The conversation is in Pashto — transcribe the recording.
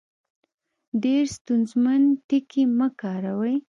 ډېر ستونزمن ټکي مۀ کاروئ